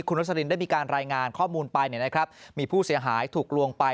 คุณรสลินได้มีการรายงานข้อมูลไปมีผู้เสียหายถูกลวงไป